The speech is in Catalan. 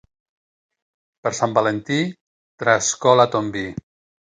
Per Sant Valentí, trascola ton vi.